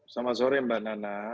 selamat sore mbak nana